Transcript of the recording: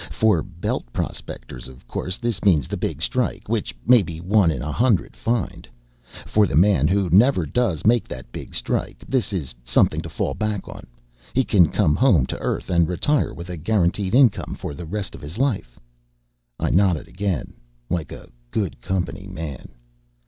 For Belt prospectors, of course, this means the big strike, which maybe one in a hundred find. For the man who never does make that big strike, this is something to fall back on. He can come home to Earth and retire, with a guaranteed income for the rest of his life." I nodded again, like a good company man.